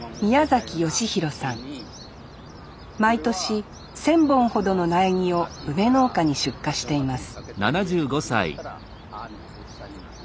毎年１，０００本ほどの苗木を梅農家に出荷しています